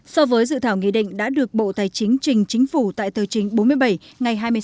so với dự thảo nghị định đã được bộ tài chính trình chính phủ tại tờ chính bốn mươi bảy